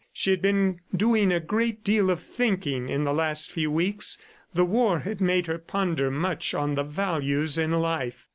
She had been doing a great deal of thinking in the last few weeks; the war had made her ponder much on the values in life.